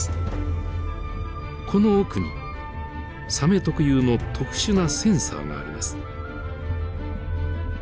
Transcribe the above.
この奥にサメ特有の特殊なセンサーがあります。